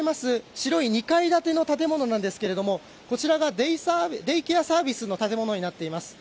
白い２階建ての建物なんですがこちらがデイケアサービスの建物になっています。